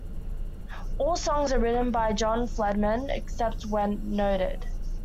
All songs are written by John Feldmann, except where noted.